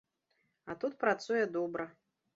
А тут працуе добра.